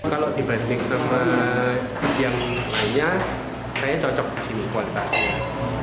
kalau dibanding sama yang lainnya saya cocok di sini kualitasnya